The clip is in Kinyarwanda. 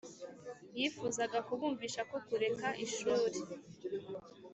yifuzaga kubumvisha ko kureka ishuri